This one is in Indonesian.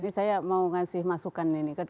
ini saya mau ngasih masukan ini